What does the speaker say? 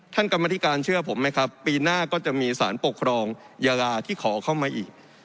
กรรมธิการเชื่อผมไหมครับปีหน้าก็จะมีสารปกครองยาลาที่ขอเข้ามาอีก